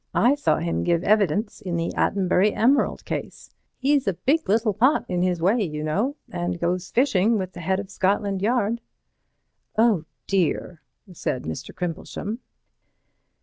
I saw him give evidence in the Attenbury emerald case. He's a big little pot in his way, you know, and goes fishing with the head of Scotland Yard." "Oh, dear," said Mr. Crimplesham.